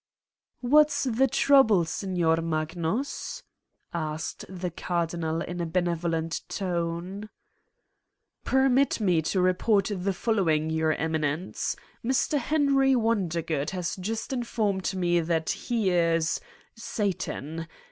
"What's the trouble, Signor Magnus?" asked the Cardinal in a benevolent tone. " Permit me to report the following, your Emi nence : Mr. Henry Wondergood has just informed me that he is Satan.